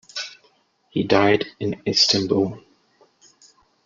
He died in Istanbul.